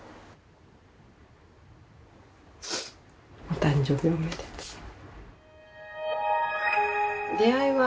お誕生日おめでとう。